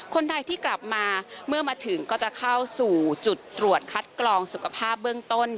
คนไทยที่กลับมาเมื่อมาถึงก็จะเข้าสู่จุดตรวจคัดกรองสุขภาพเบื้องต้น